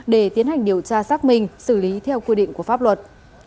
để tiến hành điều tra xác minh xử lý theo quy định của pháp luật